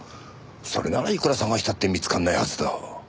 それならいくら捜したって見つからないはずだ。